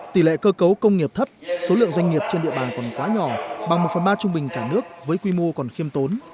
tỷ lệ cơ cấu công nghiệp thấp số lượng doanh nghiệp trên địa bàn còn quá nhỏ bằng một phần ba trung bình cả nước với quy mô còn khiêm tốn